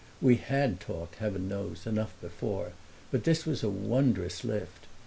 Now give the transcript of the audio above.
We had talked, heaven knows, enough before, but this was a wondrous lift.